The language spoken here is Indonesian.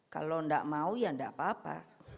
kalau gak mau ya gak apa apa